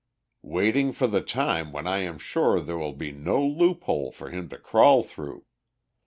"Waiting for the time when I am sure there will be no loophole for him to crawl through!